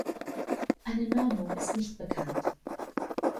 Eine Normung ist nicht bekannt.